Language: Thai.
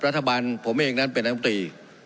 รัฐบาลผมเองนั้นเป็นน้ำตรี